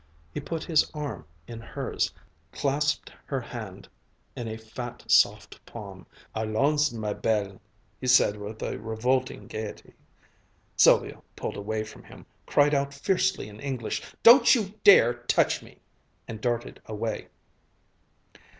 He put his arm in hers, clasped her hand in a fat, soft palm, and, "Allons, ma belle!" he said with a revolting gayety. Sylvia pulled away from him, cried out fiercely in English, "Don't you dare to touch me!" and darted away.